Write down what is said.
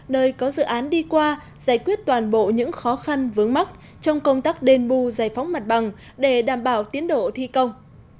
nơi có dự án đi qua giải quyết toàn bộ những khó khăn vướng mắt trong công tác đền bù giải phóng mặt bằng để đảm bảo tiến độ thi công